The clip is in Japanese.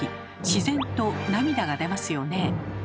自然と涙が出ますよね。